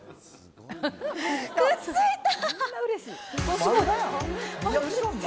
くっついた！